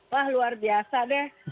wah luar biasa deh